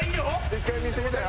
１回見せてみたら？